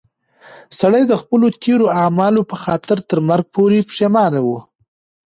سړی د خپلو تېرو اعمالو په خاطر تر مرګ پورې پښېمانه و.